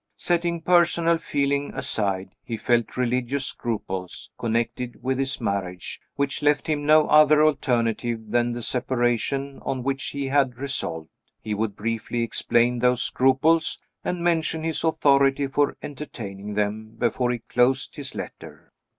Setting personal feeling aside, he felt religious scruples (connected with his marriage) which left him no other alternative than the separation on which he had resolved. He would briefly explain those scruples, and mention his authority for entertaining them, before he closed his letter."